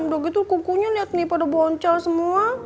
udah gitu kukunya lihat nih pada boncal semua